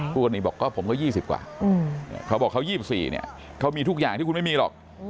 คู่กรณีบอกก็ผมก็๒๐กว่าเขาบอกเขา๒๔เนี่ยเขามีทุกอย่างที่คุณไม่มีหรอก